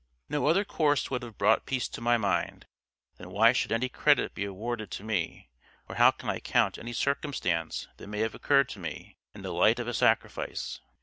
No other course would have brought peace to my mind; then why should any credit be awarded to me; or how can I count any circumstance that may have occurred to me, in the light of a sacrifice?